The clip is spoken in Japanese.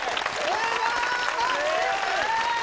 すごい！